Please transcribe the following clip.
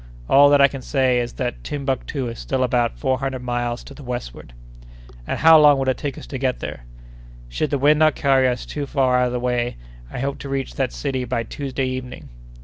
All that I can say is, that Timbuctoo is still about four hundred miles to the westward. "And how long will it take us to get there?" "Should the wind not carry us too far out of the way, I hope to reach that city by Tuesday evening."